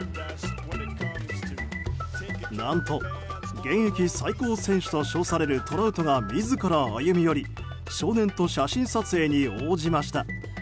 何と現役最高選手と称されるトラウトが自ら歩み寄り少年と写真撮影に応じました。